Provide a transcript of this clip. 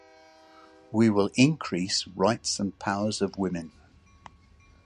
We will increase rights and powers of women.